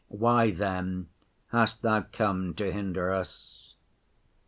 Why, then, hast Thou come to hinder us?